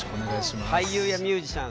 俳優やミュージシャン